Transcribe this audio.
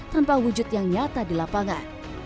tanpa wujud yang nyata di lapangan